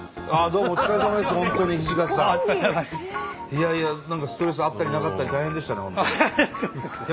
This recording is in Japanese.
いやいや何かストレスあったりなかったり大変でしたね